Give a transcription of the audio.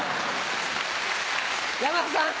山田さん